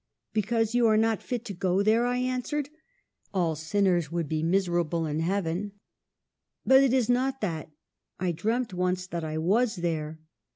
"' Because you are not fit to go there,' I an swered ;' all sinners would be miserable in heaven.' "' But it is not that. I dreamt once that I was there.'